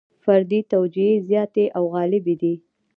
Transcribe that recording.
فردي توجیې زیاتې او غالبې دي.